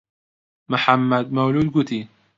محەممەد مەولوود گوتی: